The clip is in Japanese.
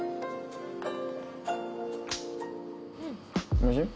おいしい？